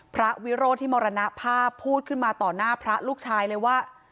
วิโรธที่มรณภาพพูดขึ้นมาต่อหน้าพระลูกชายเลยว่า